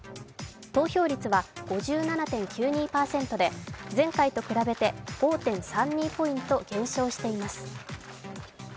投票率は５７．９２％で前回と比べて５．３２ポイント減少しています。